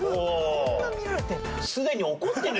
こんな見られてるの？